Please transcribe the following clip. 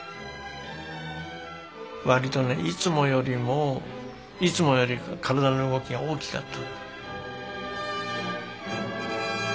わりとねいつもよりもいつもより体の動きが大きかった。